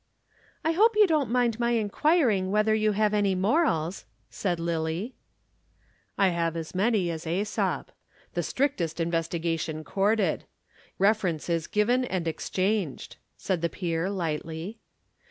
"I hope you don't mind my inquiring whether you have any morals," said Lillie. "I have as many as Æsop. The strictest investigation courted. References given and exchanged," said the peer lightly.